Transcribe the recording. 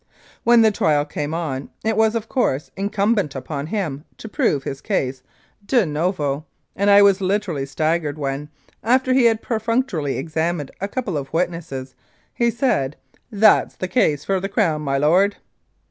When the trial came on it was, of course, incumbent upon him to prove his case de novo, and I was literally staggered when, after he had perfunctorily examined a couple of witnesses, he said, "That's the case for the Crown, my lord."